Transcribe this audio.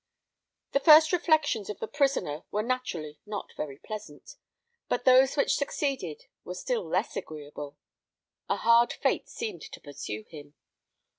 The first reflections of the prisoner were naturally not very pleasant; but those which succeeded were still less agreeable. A hard fate seemed to pursue him.